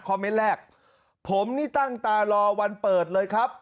เมนต์แรกผมนี่ตั้งตารอวันเปิดเลยครับ